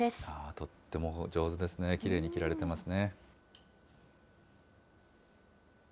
とっても上手ですね、きれいに着られてますね。